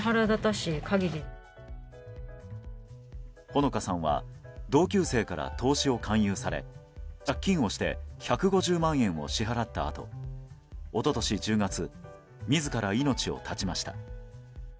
穂野香さんは同級生から投資を勧誘され借金をして１５０万円を支払ったあと一昨年１０月自ら命を絶ちました。